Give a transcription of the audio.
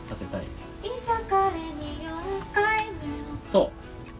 そう。